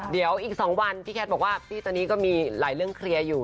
เดี๋ยวอีก๒วันพี่แคทบอกว่าพี่ตอนนี้ก็มีหลายเรื่องเคลียร์อยู่